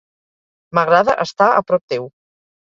M'agrada estar a prop teu.